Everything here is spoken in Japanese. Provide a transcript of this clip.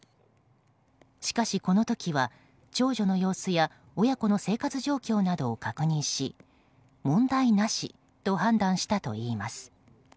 しかし、この時は長女の様子や親子の生活状況などを確認し問題なしと判断したといいます。